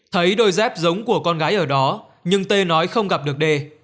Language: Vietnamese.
thấy đôi dép giống của con gái ở đó nhưng tê nói không gặp được đê